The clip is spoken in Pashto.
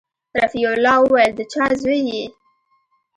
رفيع الله وويل د چا زوى يې.